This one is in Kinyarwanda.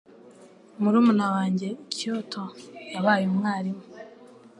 Murumuna wanjye i Kyoto yabaye umwarimu.